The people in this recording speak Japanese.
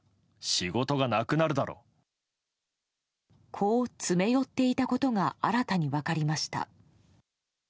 こう詰め寄っていたことが新たに分かりました。